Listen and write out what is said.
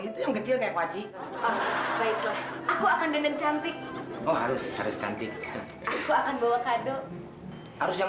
itu yang kecil kayak wajib baiklah aku akan dengan cantik harus harus cantik bawa kado harus yang